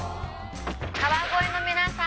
川越の皆さん